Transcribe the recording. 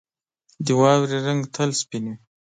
• د واورې رنګ تل سپین وي.